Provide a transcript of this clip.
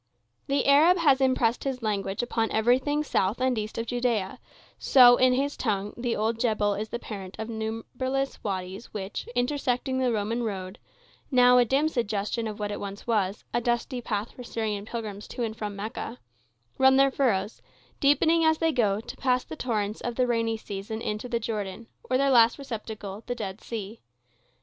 The Arab has impressed his language upon everything south and east of Judea, so, in his tongue, the old Jebel is the parent of numberless wadies which, intersecting the Roman road—now a dim suggestion of what once it was, a dusty path for Syrian pilgrims to and from Mecca—run their furrows, deepening as they go, to pass the torrents of the rainy season into the Jordan, or their last receptacle, the Dead Sea.